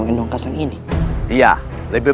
biar saya tanggi di sana lebih